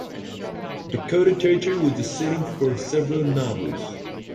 Dakota Territory was the setting for several novels.